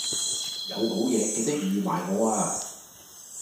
有好嘢記得預埋我呀